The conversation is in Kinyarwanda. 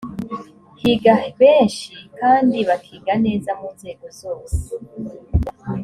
higa benshi kandi bakiga neza mu nzego zose